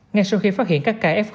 ngay sau khi phát hiện các ca f